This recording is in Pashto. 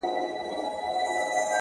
د ښايست تصوير دې دومره محدود سوی!